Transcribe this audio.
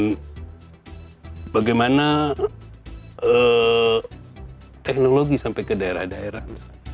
bagaimana teknologi sampai ke daerah daerah